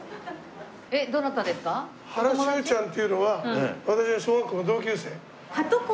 ハラシュウちゃんっていうのは私の小学校の同級生。